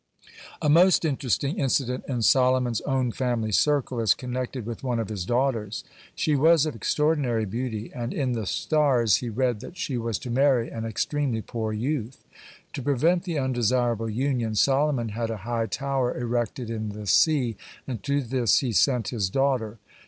(99) A most interesting incident in Solomon's own family circle is connected with one of his daughters. She was of extraordinary beauty, and in the stars he read that she was to marry an extremely poor youth. To prevent the undesirable union, Solomon had a high tower erected in the sea, and to this he sent his daughter.